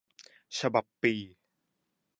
ฉบับปี